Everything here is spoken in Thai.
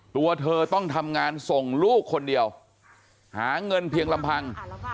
ตัวเธอต้องทำงานส่งลูกคนเดียวหาเงินเพียงลำพัง